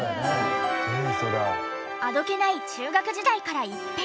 あどけない中学時代から一変。